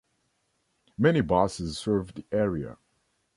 Many buses serve the area.